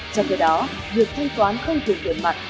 trong thời đó việc thanh toán không thuộc tiền mặt